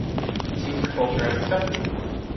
It seems your culture has accepted me.